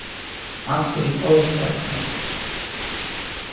ასე იყო ეს საქმე